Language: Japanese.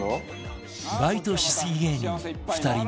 バイトしすぎ芸人２人目は